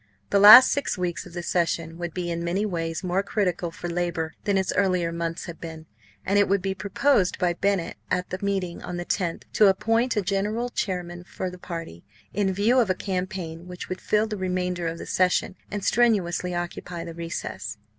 The last six weeks of the session would be in many ways more critical for Labour than its earlier months had been; and it would be proposed by Bennett, at the meeting on the 10th, to appoint a general chairman of the party, in view of a campaign which would fill the remainder of the session and strenuously occupy the recess.